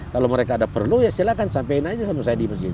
kalau mereka ada perlu ya silakan sampein aja sama saya di masjid